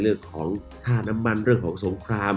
เรื่องของค่าน้ำมันเรื่องของสงคราม